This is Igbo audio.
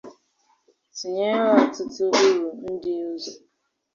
tinyere ọtụtụ uru ndị ọzọ.